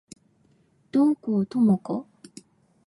洞口朋子